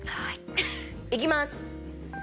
いきます。